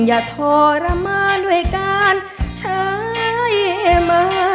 อย่าทรมานด้วยกันใช่ไหม